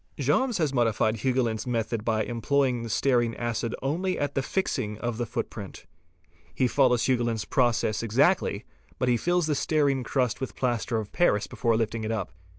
Jaumes 8 has modified Hugoulin's method by employing stearine acid only at the fixing of the footprint. He follows Hugoulin's process ex — actly, but he fills the stearine crust with plaster of paris before lifting it up.